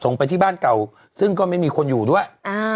ไปที่บ้านเก่าซึ่งก็ไม่มีคนอยู่ด้วย